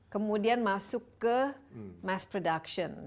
kemudian masuk ke mass production